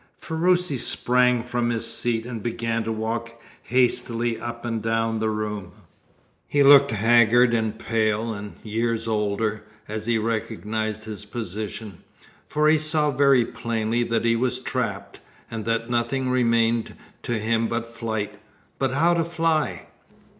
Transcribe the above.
Ferruci sprang from his seat and began to walk hastily up and down the room. He looked haggard and pale, and years older, as he recognised his position, for he saw very plainly that he was trapped, and that nothing remained to him but flight. But how to fly?